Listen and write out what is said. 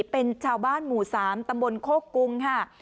เป็นชาวบ้านหมู่๓ตำบลโคกรุงค่ะ